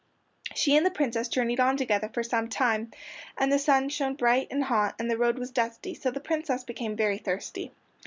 She and the Princess journeyed on together for some time, and the sun shone bright and hot and the road was dusty, so the Princess became very thirsty.